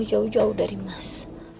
aku juga gak mau jauh jauh dari mas